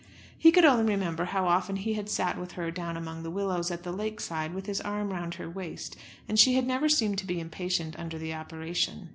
He could only remember how often he had sat with her down among the willows at the lake side with his arm round her waist, and she had never seemed to be impatient under the operation.